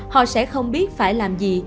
họ sẽ không biết phải làm gì